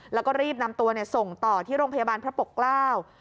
แล้วก็รีบนำตัวเนี่ยส่งต่อที่โรงพยาบาลพระปกร่าว